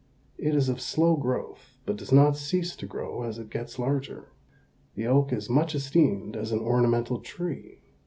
It is of slow growth, but does not cease to grow as it gets larger. The oak is much esteemed as an ornamental tree.